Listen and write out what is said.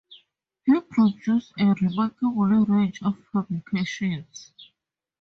He produced a remarkable range of publications.